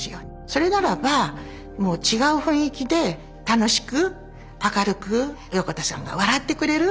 それならばもう違う雰囲気で楽しく明るく横田さんが笑ってくれる。